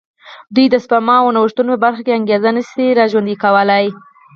دوی د سپما او نوښتونو په برخه کې انګېزه نه شي را ژوندی کولای.